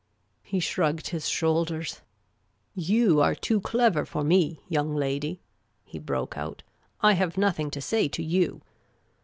'' He shrugged his shoulders. " You are too clever for me, young lady," he broke out. " I have nothing to say to you.